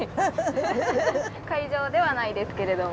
会場ではないですけれども。